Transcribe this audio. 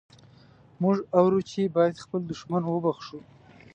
موږ اورو چې باید خپل دښمن وبخښو.